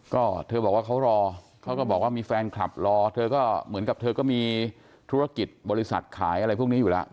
ก็เธอบอกว่าเขารอเขาก็บอกว่ามีแฟนคลับรอเธอก็เหมือนกับเธอก็มีธุรกิจบริษัทขายอะไรพวกนี้อยู่แล้ว